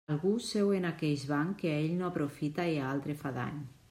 Algú seu en aqueix banc que a ell no aprofita i a altre fa dany.